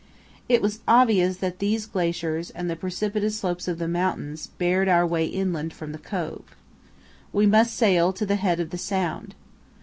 It was obvious that these glaciers and the precipitous slopes of the mountains barred our way inland from the cove. We must sail to the head of the sound.